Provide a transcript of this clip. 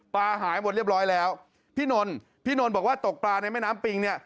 หายหมดเรียบร้อยแล้วพี่นนท์พี่นนทบอกว่าตกปลาในแม่น้ำปิงเนี่ย